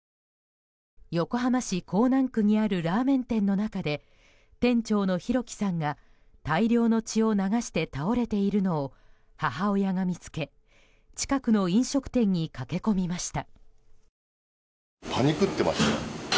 横浜市港南区にあるラーメン店の中で店長の弘輝さんが大量の血を流して倒れているのを母親が見つけ近くの飲食店に駆け込みました。